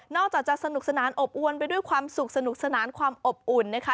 อกจากจะสนุกสนานอบอวนไปด้วยความสุขสนุกสนานความอบอุ่นนะคะ